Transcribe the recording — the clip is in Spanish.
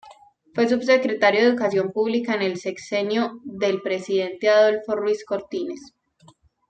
Fue Subsecretario de Educación Pública en el sexenio del presidente Adolfo Ruiz Cortines.